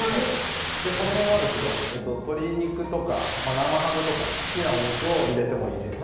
この辺は鶏肉とか生ハムとか好きなお肉を入れてもいいです。